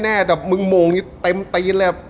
แต่แบบนี่มงเต็มตีนแหละ